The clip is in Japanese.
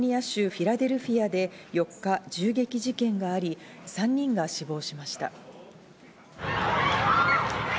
フィラデルフィアで４日、銃撃事件があり、３人が死亡しました。